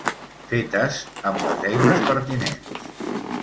Fetes amb les eines pertinents.